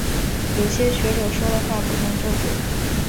有些学者说的话不能做准。